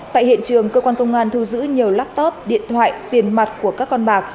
tại hiện trường cơ quan công an thu giữ nhiều laptop điện thoại tiền mặt của các con bạc